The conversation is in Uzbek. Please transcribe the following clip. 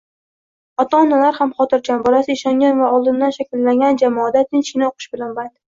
Ota-¬onalar ham xotirjam, bolasi ishongan va oldindan shakllangan jamoada tinchgina oʻqish bilan band.